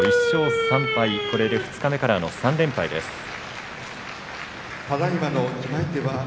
１勝３敗二日目から３連敗です。